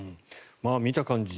見た感じ